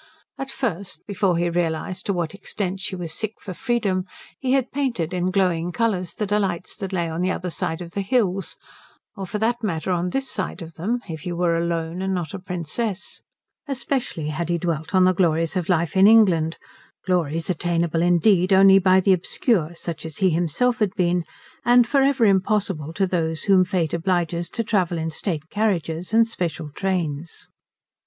At first, before he realized to what extent she was sick for freedom, he had painted in glowing colours the delights that lay on the other side of the hills, or for that matter on this side of them if you were alone and not a princess. Especially had he dwelt on the glories of life in England, glories attainable indeed only by the obscure such as he himself had been, and for ever impossible to those whom Fate obliges to travel in state carriages and special trains.